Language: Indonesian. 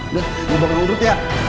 udah gua bakal urut ya